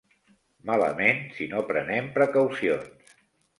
Malament si no prenem precaucions.